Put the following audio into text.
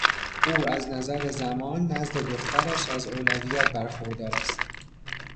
او از نظر زمان نزد دخترش از اولویت برخوردار است.